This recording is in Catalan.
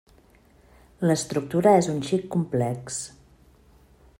L'estructura és un xic complex.